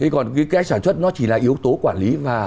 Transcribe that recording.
cái sản xuất nó chỉ là yếu tố quản lý